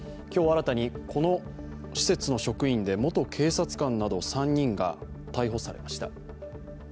新たにこの施設の職員で元警察官など３人が逮捕されました